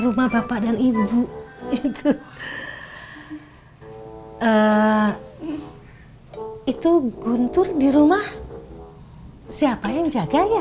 rumah bapak dan ibu itu guntur di rumah siapa yang jaga ya